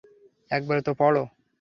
একবার তো পড়ো।